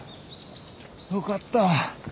よかった。